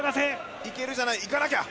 いけるじゃない、いかなきゃ！